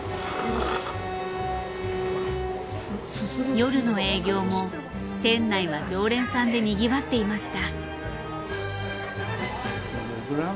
夜の営業も店内は常連さんでにぎわっていました。